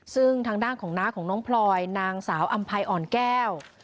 ซึ่งทางด้านของน้าของน้องพลอยนางสาวอำภัยอ่อนแก้ว